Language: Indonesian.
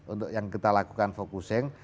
untuk yang kita lakukan focusing